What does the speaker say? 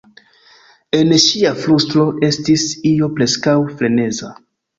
En ŝia flustro estis io preskaŭ freneza.